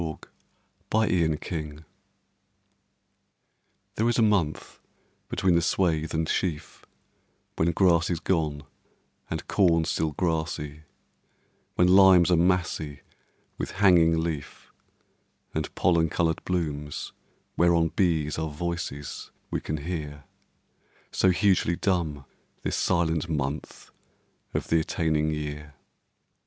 Michael Field July THERE is a month between the swath and sheaf When grass is gone And corn still grassy; When limes are massy With hanging leaf, And pollen coloured blooms whereon Bees are voices we can hear, So hugely dumb This silent month of the attaining year.